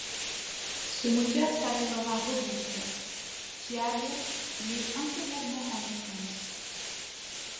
Ce moteur s'avèrera robuste, fiable mais un peu gourmand en essence.